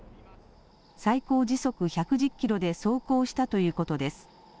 最高時速１１０キロで走行したということです。